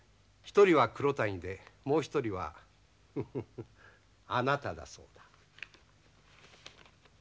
一人は黒谷でもう一人はあなただそうだ。